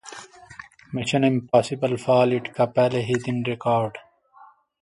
mission impossible fallout کا پہلے ہی دن ریکارڈ